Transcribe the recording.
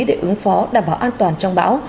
để ứng phó đảm bảo an toàn trong bão